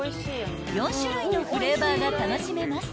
［４種類のフレーバーが楽しめます］